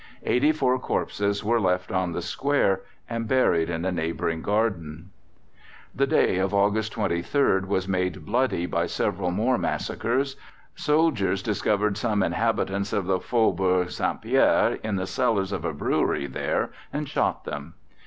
Eighty four corpses were left on the Square, and buried in a neighbouring garden. The day of August 23rd was made bloody by several more massacres. Soldiers discovered some inhabitants of the Faubourg St. Pierre in the cellars of a brewery there and shot them.